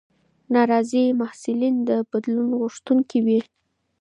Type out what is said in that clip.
ناراضي محصلین د بدلون غوښتونکي وي.